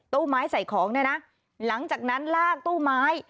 ตู้ไม้ใส่ของเนี่ยนะหลังจากนั้นลากตู้ไม้